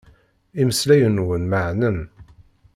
Imeslayen-nwen meɛnen.